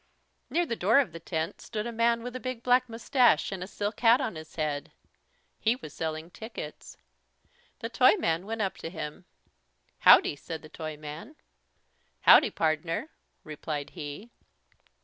Near the door of the tent stood a man with a big black moustache, and a silk hat on his head. He was selling tickets. The Toyman went up to him. "Howdy," said the Toyman. "Howdy, pardner," replied he.